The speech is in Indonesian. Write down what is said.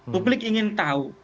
publik ingin tahu